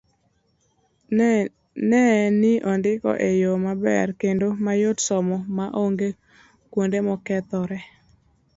Ne ni ondike e yo maber kendo mayot somo ma onge kuonde mokethore